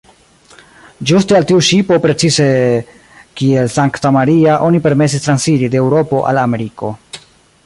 Ĝuste al tiu ŝipo, precize kiel "Santa-Maria", oni permesis transiri de Eŭropo al Ameriko.